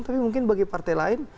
tapi mungkin bagi partai lain